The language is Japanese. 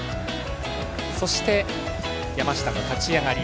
そして、山下の立ち上がり。